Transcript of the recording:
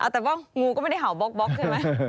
แต่ว่างูก็ไม่ได้เห่าบล็อกใช่ไหม